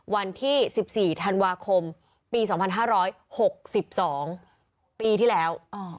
วันที่๑๔ธันวาคมปี๒๕๖๒ปีที่แล้ว